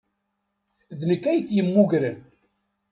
D nekk ay t-yemmugren.